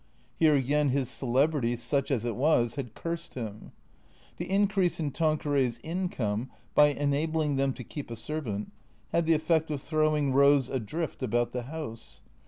Here again his celebrity, such as it was, had cursed him. The increase in Tanqueray's income, by enabling them to keep a servant, had the effect of throwing Eose adrift about the house.